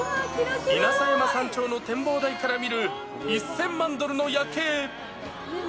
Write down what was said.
稲佐山山頂の展望台から見る、１０００万ドルの夜景。